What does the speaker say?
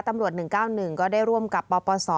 ตำรวจ๑๙๑ก็ได้ร่วมกับปปส